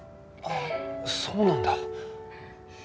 ああそうなんだ。